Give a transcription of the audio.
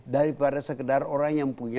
daripada sekedar orang yang punya